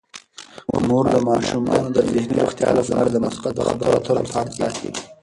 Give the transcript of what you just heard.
مور د ماشومانو د ذهني روغتیا لپاره د مثبت خبرو اترو پام ساتي.